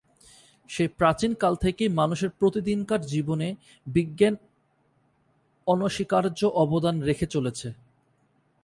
সেই প্রাচীন কাল থেকেই মানুষের প্রতিদিনকার জীবনে বিজ্ঞান অনস্বীকার্য অবদান রেখে চলেছে।